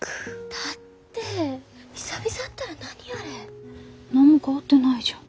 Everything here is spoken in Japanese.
だって久々会ったら何あれ。何も変わってないじゃん。